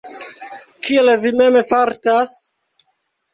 Kiel vi mem fartas?